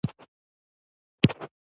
تشبيهات په دوه ډوله ويشلى شو